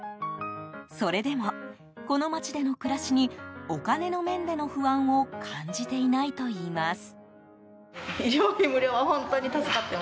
それでも、この町での暮らしにお金の面での不安を感じていないといいます。